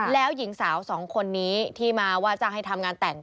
แล้วหญิงสาวสองคนนี้ที่มาว่าจ้างให้ทำงานแต่ง